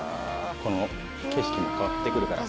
この景色も変わって来るから。